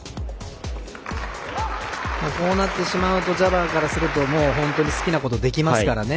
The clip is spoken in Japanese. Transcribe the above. こうなってしまうとジャバーからするともう、本当に好きなことできますからね。